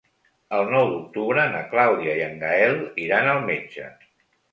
El nou d'octubre na Clàudia i en Gaël iran al metge.